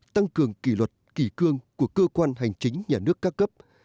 tăng cường kỷ luật kỷ cương của cơ quan hành chính nhà nước ca cấp